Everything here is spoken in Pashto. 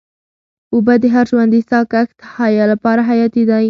اوبه د هر ژوندي ساه کښ لپاره حیاتي دي.